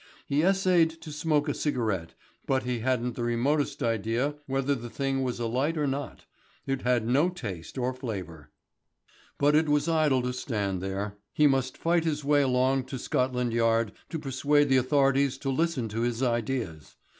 He essayed to smoke a cigarette, but he hadn't the remotest idea whether the thing was alight or not. It had no taste or flavour. But it was idle to stand there. He must fight his way along to Scotland Yard to persuade the authorities to listen to his ideas.